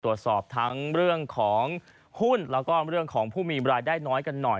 ตรวจสอบทั้งเรื่องของหุ้นแล้วก็เรื่องของผู้มีรายได้น้อยกันหน่อย